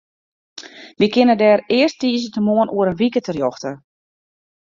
Wy kinne dêr earst tiisdeitemoarn oer in wike terjochte.